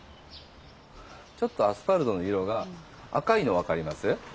ちょっとアスファルトの色が赤いの分かります？